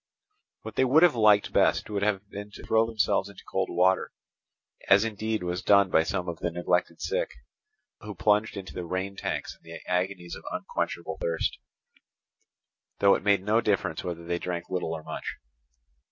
What they would have liked best would have been to throw themselves into cold water; as indeed was done by some of the neglected sick, who plunged into the rain tanks in their agonies of unquenchable thirst; though it made no difference whether they drank little or much.